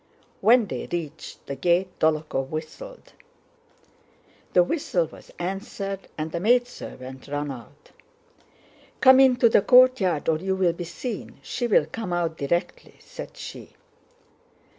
When they reached the gate Dólokhov whistled. The whistle was answered, and a maidservant ran out. "Come into the courtyard or you'll be seen; she'll come out directly," said she.